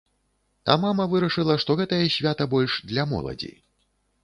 А мама вырашыла, што гэтае свята больш для моладзі.